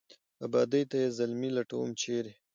آبادۍ ته یې زلمي لټوم ، چېرې ؟